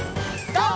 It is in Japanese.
ＧＯ！